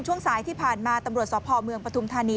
ช่วงสายที่ผ่านมาตำรวจสพเมืองปฐุมธานี